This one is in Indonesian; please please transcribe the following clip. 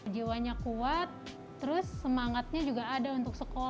jiwanya kuat terus semangatnya juga ada untuk sekolah